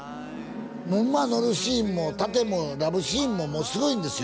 馬乗るシーンも殺陣もラブシーンももうすごいんですよ